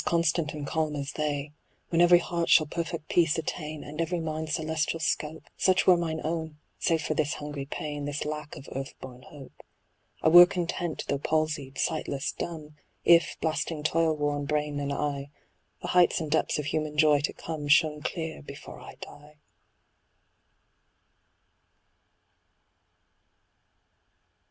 Constant and calm as they. THE ASTRONOMER. When every heart shall perfect peace attain, And every mind celestial scope ; Such were mine own, save for this hungry pain, This lack of earth born hope. I were content, though palsied, sightless, dumb, If, blasting toil worn brain and eye, The heights and depths of human joy to come Shone clear, before I die.